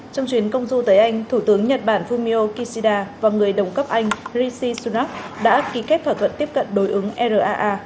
trong chuyến công du tới anh thủ tướng nhật bản fumio kishida và người đồng cấp anh rishi sunak đã ký kết thỏa thuận tiếp cận đối ứng raa